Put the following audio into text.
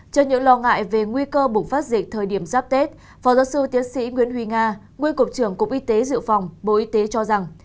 trước những lo ngại về nguy cơ bùng phát dịch thời điểm giáp tết phó giáo sư tiến sĩ nguyễn huy nga nguyên cục trưởng cục y tế dự phòng bộ y tế cho rằng